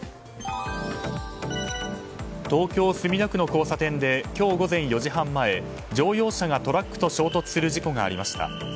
東京・墨田区の交差点で今日午前４時半前乗用車がトラックと衝突する事故がありました。